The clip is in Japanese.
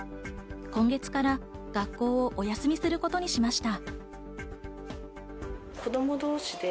今月から学校をお休みすることにしました。